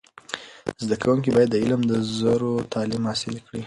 زده کوونکي باید د علم د زرو تعلیم حاصل کړي.